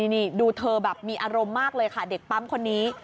นี่ดูเธอแบบมีอารมณ์มากเลยค่ะเด็กปั๊มคนนี้